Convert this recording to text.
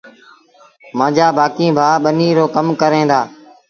مآݩجآ بآڪيٚݩ ڀآ ٻنيٚ رو ڪم ڪريݩ دآ۔